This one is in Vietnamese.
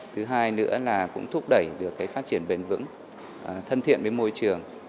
thứ hai nữa là cũng thúc đẩy được phát triển bền vững thân thiện với môi trường